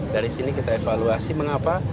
dari sini kita evaluasi mengapa